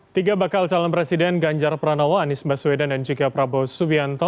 tiga bakal calon presiden ganjar pranowo anies baswedan dan juga prabowo subianto